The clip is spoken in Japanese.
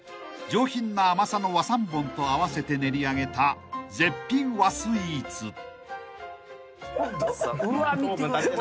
［上品な甘さの和三盆と合わせて練り上げた絶品和スイーツ］